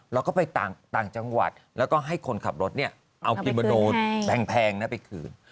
เราก็ไปต่างจังหวัดแล้วก็ให้คนขับรถเนี่ยเอากิโมโนแพงไปคืน